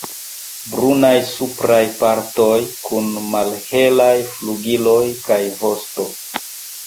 Brunaj supraj partoj, kun malhelaj flugiloj kaj vosto.